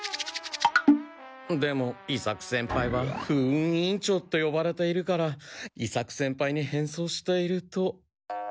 でも伊作先輩は不運委員長と呼ばれているから伊作先輩に変装していると。